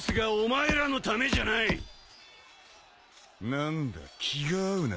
何だ気が合うな。